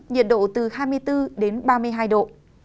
nhiệt độ từ hai mươi bốn đến ba mươi hai độ